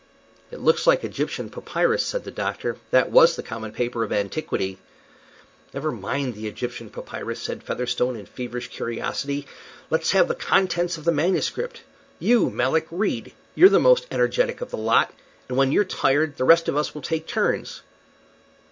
"It looks like Egyptian papyrus," said the doctor. "That was the common paper of antiquity." "Never mind the Egyptian papyrus," said Featherstone, in feverish curiosity. "Let's have the contents of the manuscript. You, Melick, read; you're the most energetic of the lot, and when you're tired the rest of us will take turns."